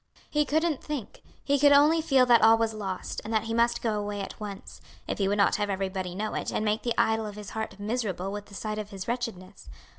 He couldn't think, he could only feel that all was lost, and that he must go away at once, if he would not have everybody know it, and make the idol of his heart miserable with the sight of his wretchedness.